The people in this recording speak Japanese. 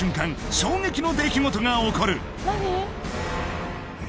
衝撃の出来事が起こる！